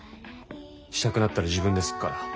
したくなったら自分ですっから。